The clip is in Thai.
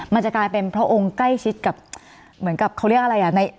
มันจะกลายเป็นพระองค์ใกล้ชิดกับเขาเรียกอะไร